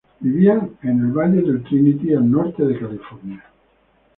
Vivían en el valle del Trinity, al norte de California.